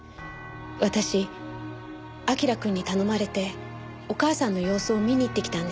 私彬くんに頼まれてお母さんの様子を見に行ってきたんです。